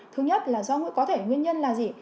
thứ nhất là do có thể nguyên nhân là gì